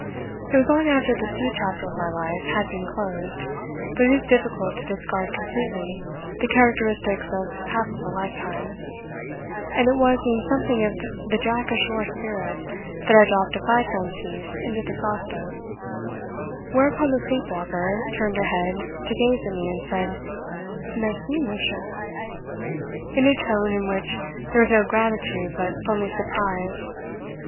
It was long after the sea chapter of my life had been closed but it is difficult to discard completely the characteristics of half a lifetime, and it was in something of the Jack ashore spirit that I dropped a five franc piece into the sauceboat; whereupon the sleep walker turned her head to gaze at me and said "Merci, Monsieur" in a tone in which there was no gratitude but only surprise.